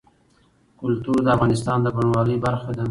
کلتور د افغانستان د بڼوالۍ برخه ده.